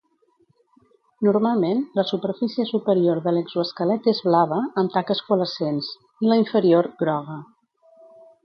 Normalment, la superfície superior de l'exoesquelet és blava, amb taques coalescents, i la inferior, groga.